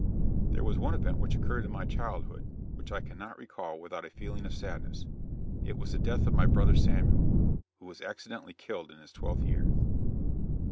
There was one event which occurred in my childhood, which I cannot recall without a feeling of sadness. It was the death of my brother Samuel, who was accidentally killed in his twelfth year.